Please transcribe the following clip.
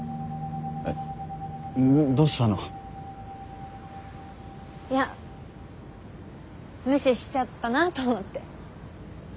どしたの？や無視しちゃったなと思って。